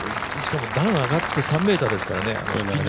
しかも段上がって３ｍですからね。